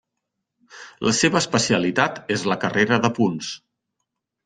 La seva especialitat és la carrera de punts.